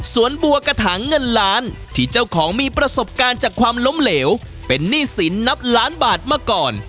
บัวกระถางเงินล้านที่เจ้าของมีประสบการณ์จากความล้มเหลวเป็นหนี้สินนับล้านบาทมาก่อน